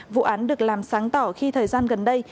vụ án được làm sáng tỏ khi thời gian gần đây